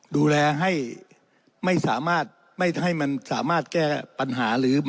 ดูแลให้ไม่สามารถไม่ให้มันสามารถแก้ปัญหาหรือ